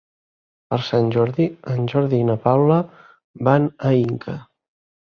Per Sant Jordi en Jordi i na Paula van a Inca.